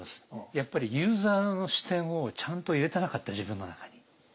やっぱりユーザーの視点をちゃんと入れてなかった自分の中に。